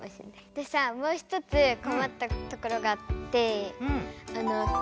でさもう一つこまったところがあって。